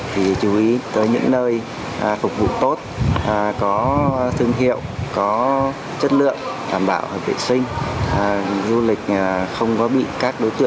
thì chú ý tới những nơi phục vụ tốt